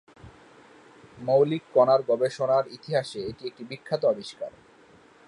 মৌলিক কণার গবেষণার ইতিহাসে এটি একটি বিখ্যাত আবিষ্কার।